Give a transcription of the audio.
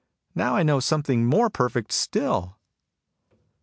Now I know something more perfect still."